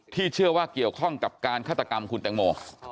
เชื่อว่าเกี่ยวข้องกับการฆาตกรรมคุณแตงโม